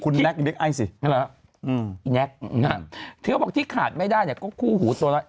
คุณแน็กมีเด็กไอ้สิแน็กถือว่าบอกที่ขาดไม่ได้เนี่ยก็คู่หูตัวนั้น